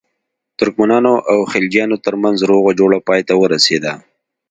ترکمنانو او خلجیانو ترمنځ روغه جوړه پای ته ورسېده.